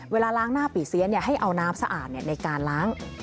เวลาล้างหน้าปีเซียนให้เอาน้ำสะอาดในการล้าง